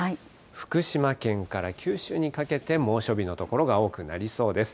福島県から九州にかけて、猛暑日の所が多くなりそうです。